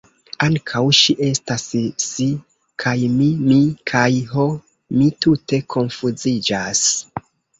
Ankaŭ ŝi estas si, kaj mi mi, kaj... ho, mi tute konfuziĝas!